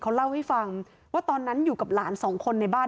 เขาเล่าให้ฟังว่าตอนนั้นอยู่กับหลานสองคนในบ้าน